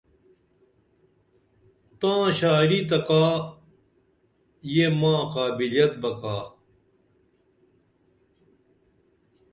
تاں شاعری تہ کا یہ ماں قابِلیت بہ کا